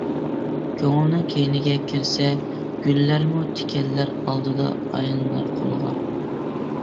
كۆڭۈلنىڭ كەينىگە كىرسە، گۈللەرمۇ، تىكەنلەر ئالدىدا ئايلىنار قۇلغا.